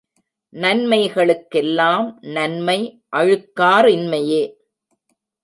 நன்மைகளுக்கெல்லாம் நன்மை அழுக்கா றின்மையே.